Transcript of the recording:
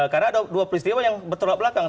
karena ada dua peristiwa yang betul betul belakang